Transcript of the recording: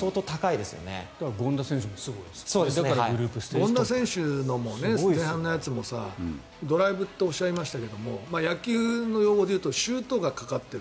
権田選手の前半のやつもドライブっておっしゃいましたけど野球の用語で言うとシュートがかかっている。